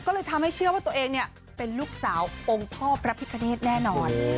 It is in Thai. ก็เลยทำให้เชื่อว่าตัวเองเนี่ยเป็นลูกสาวองค์พ่อพระพิคเนธแน่นอน